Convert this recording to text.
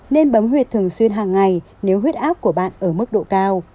nên bấm huyệt thường xuyên hàng ngày nếu huyết áp của bạn ở mức độ cao